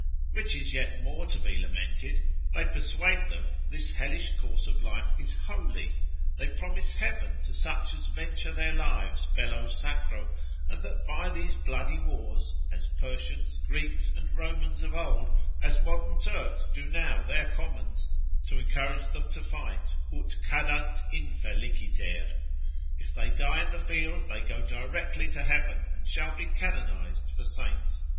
Which is yet more to be lamented, they persuade them this hellish course of life is holy, they promise heaven to such as venture their lives bello sacro, and that by these bloody wars, as Persians, Greeks, and Romans of old, as modern Turks do now their commons, to encourage them to fight, ut cadant infeliciter. If they die in the field, they go directly to heaven, and shall be canonised for saints.